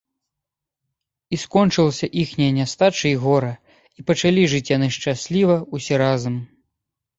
І скончылася іхняя нястача і гора, і пачалі жыць яны шчасліва ўсе разам